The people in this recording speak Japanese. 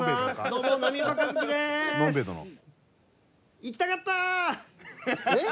行きたかった！